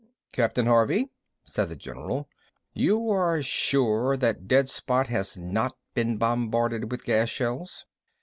"Captain Harvey," said the general, "you are sure that dead spot has not been bombarded with gas shells?"